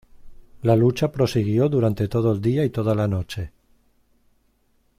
La lucha prosiguió durante todo el día y toda la noche.